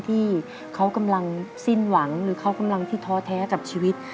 ที่เขากำลังสิ้นหวังหรือเขากำลังที่ท้อแท้กับชีวิต